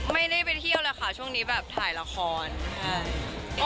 ไม่ได้ไปเที่ยวเลยค่ะช่วงนี้แบบถ่ายละครค่ะ